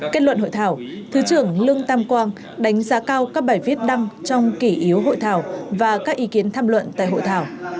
kết luận hội thảo thứ trưởng lương tam quang đánh giá cao các bài viết đăng trong kỷ yếu hội thảo và các ý kiến tham luận tại hội thảo